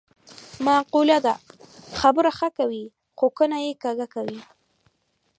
معقوله ده: خبره ښه کوې خو کونه یې کږه کوې.